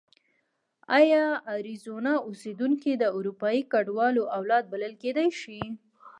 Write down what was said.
ایا اریزونا اوسېدونکي د اروپایي کډوالو اولاد بلل کېدای شي؟